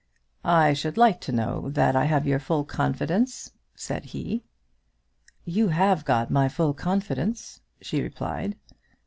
"I should like to know that I have your full confidence," said he. "You have got my full confidence," she replied.